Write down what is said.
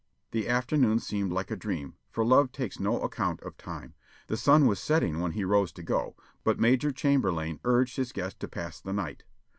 The afternoon seemed like a dream, for love takes no account of time. The sun was setting when he rose to go, but Major Chamberlayne urged his guest to pass the night.